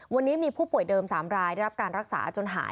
วันนี้มีผู้ป่วยเดิม๓รายได้รับการรักษาจนหาย